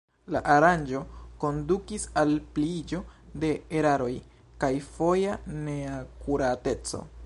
La aranĝo kondukis al pliiĝo de eraroj kaj foja neakurateco.